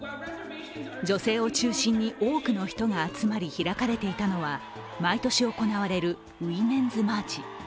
女性を中心に多くの人が集まり、開かれていたのは毎年行われるウィメンズ・マーチ。